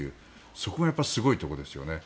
そこがやっぱりすごいところですよね。